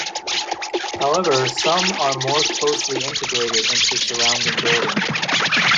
However some are more closely integrated into surrounding buildings.